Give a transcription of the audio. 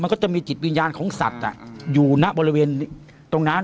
ก็จะมีจิตวิญญาณของสัตว์อยู่ณบริเวณตรงนั้น